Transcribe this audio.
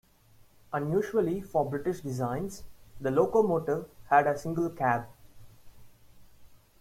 Unusually for British designs, the locomotive had a single cab.